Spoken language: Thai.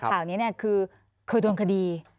ข่าวนี้คือเคยโดนคดี